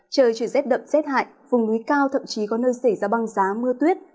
trời chuyển rét đậm rét hại vùng núi cao thậm chí có nơi xảy ra băng giá mưa tuyết